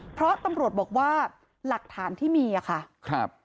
เพราะตำรวจบอกว่าหลักฐานที่มีอะค่ะครับ